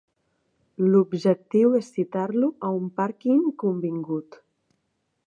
L'objectiu és citar-lo a un pàrquing convingut.